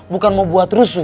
bukan mau buat rusuh